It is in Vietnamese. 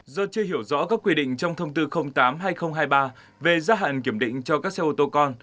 do chưa hiểu rõ các quy định trong thông tư tám hai nghìn hai mươi ba về gia hạn kiểm định cho các xe ô tô con